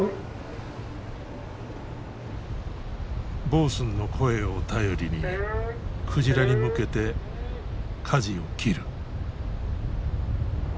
ボースンの声を頼りに鯨に向けて舵をきる。